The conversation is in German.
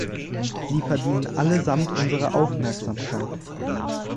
Sie verdienen allesamt unsere Aufmerksamkeit.